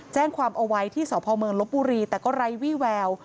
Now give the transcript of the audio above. แจ้งความเอาไว้ที่สพเมืองลบบุรีแต่ก็ไร้วี่แวว